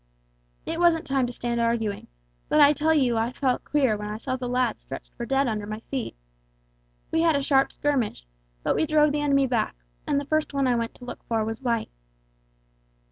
It wasn't time to stand arguing, but I tell you I felt queer when I saw the lad stretched for dead under my feet. We had a sharp skirmish, but we drove the enemy back, and the first one I went to look for was White.'